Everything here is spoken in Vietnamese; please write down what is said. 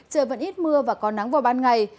trời vẫn ít mưa và có nắng vào ban ngày